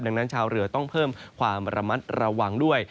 ดังนั้นชาวเรือต้องเพิ่มความระมัดระวังด้วย